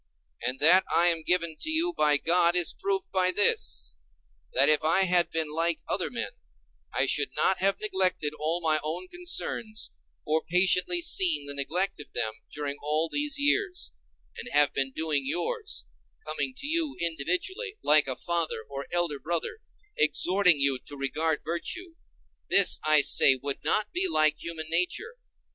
And that I am given to you by God is proved by this: that if I had been like other men, I should not have neglected all my own concerns, or patiently seen the neglect of them during all these years, and have been doing yours, coming to you individually, like a father or elder brother, exhorting you to regard virtue; this, I say, would not be like human nature.